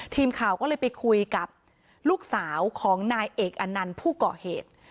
ทีมข่าวก็เลยไปคุยกับลูกสาวของนายเอกอนันต์ผู้ก่อเหตุ